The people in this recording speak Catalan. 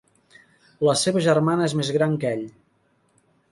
La seva germana és més gran que ell.